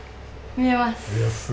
見えます。